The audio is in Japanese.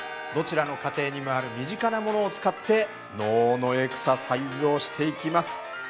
どちらの家庭にもある身近なものを使って脳のエクササイズをしていきます。